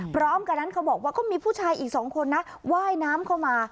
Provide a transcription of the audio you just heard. พร้อมกันนั้นเขาบอกว่าก็มีผู้ชายอีกสองคนนะว่ายน้ำเข้ามา